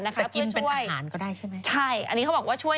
กินเป็นอาหารก็ได้ใช่ไหมใช่อันนี้เขาบอกว่าช่วย